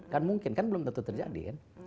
kan mungkin kan belum tentu terjadi kan